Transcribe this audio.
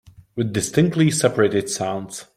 With distinctly separated sounds.